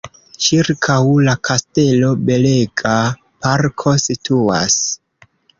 Ĉirkaŭ la kastelo belega parko situas.